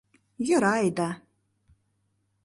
Йӧра айда...